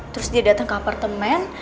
terus dia datang ke apartemen